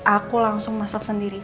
aku langsung masak sendiri